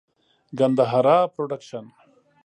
ګندهارا پروډکشن.